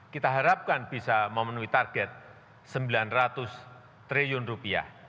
kita harapkan bisa memenuhi target rp sembilan ratus triliun